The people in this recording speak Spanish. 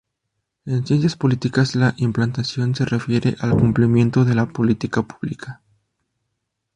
En ciencias políticas, la "implantación" se refiere al cumplimiento de la política pública.